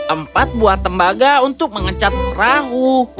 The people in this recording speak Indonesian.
empat buah tembaga untuk mengecat perahu